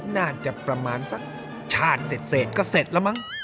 น่าจะประมาณสักชาติเสร็จก็เสร็จแล้วมั้ง